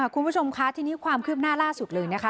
คุณผู้ชมคะทีนี้ความคืบหน้าล่าสุดเลยนะคะ